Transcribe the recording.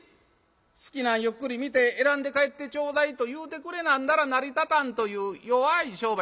好きなんゆっくり見て選んで帰ってちょうだい』と言うてくれなんだら成り立たんという弱い商売」。